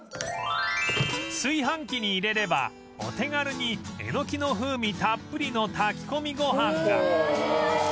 炊飯器に入れればお手軽にえのきの風味たっぷりの炊き込みご飯が